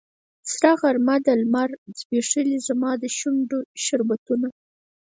سره غرمه ده لمر ځبیښلې زما د شونډو شربتونه